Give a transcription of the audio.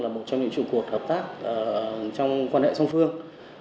là một trong những trụ cột hợp tác trong quan hệ song phương